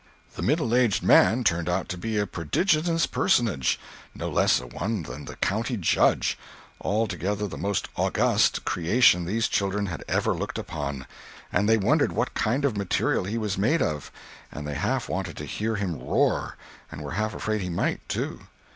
The middle aged man turned out to be a prodigious personage—no less a one than the county judge—altogether the most august creation these children had ever looked upon—and they wondered what kind of material he was made of—and they half wanted to hear him roar, and were half afraid he might, too.